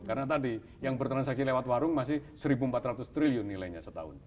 karena tadi yang bertransaksi lewat warung masih rp satu empat ratus triliun nilainya setahun